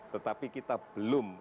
tetapi kita belum